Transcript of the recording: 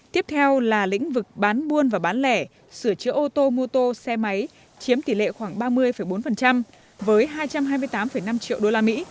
tiếp theo là lĩnh vực bán buôn và bán lẻ sửa chữa ô tô mô tô xe máy chiếm tỷ lệ khoảng ba mươi bốn với hai trăm hai mươi tám năm triệu đô la mỹ